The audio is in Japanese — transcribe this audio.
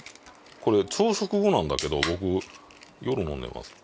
これ朝食後なんだけどぼく夜飲んでます。